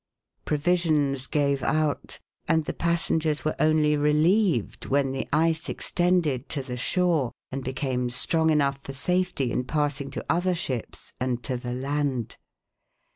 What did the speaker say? Provisions gave out, and the passengers were only relieved when the ice extended to the shore, and be came strong enough for safety in passing to other ships, and to the land.